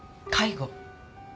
介護？